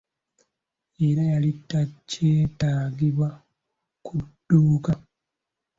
Era yali takyetaagibwa ku dduuka.